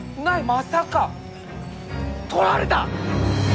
まさか！とられた！？